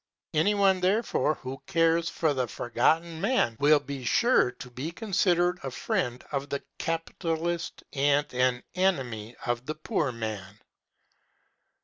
Any one, therefore, who cares for the Forgotten Man will be sure to be considered a friend of the capitalist and an enemy of the poor man.